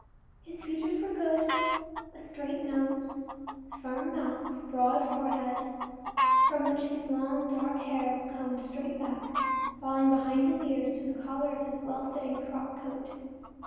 His features were good—a straight nose, firm mouth, broad forehead, from which his long, dark hair was combed straight back, falling behind his ears to the collar of his well fitting frock coat.